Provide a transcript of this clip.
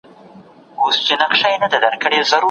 آیا زړه تر ماغزو ډېر کار کوي؟